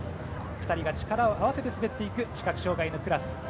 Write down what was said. ２人が力を合わせて滑っていく視覚障がいのクラス。